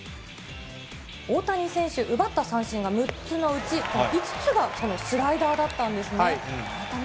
大谷選手、奪った三振が６つのうち、５つがそのスライダーだったんですね。